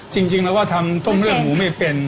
จริงเราก็ทำต้มเลือดหมูไม่เป็น